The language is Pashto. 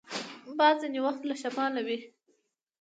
باد ځینې وخت له شماله وي